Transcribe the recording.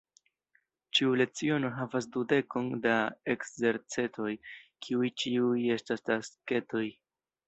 Ĉiu leciono havas dudekon da ekzercetoj, kiuj ĉiuj estas tasketoj.